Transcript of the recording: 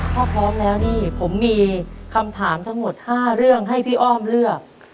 ถ้าพร้อมแล้วนี่ผมมีคำถามทั้งหมด๕เรื่องให้พี่อ้อมเลือก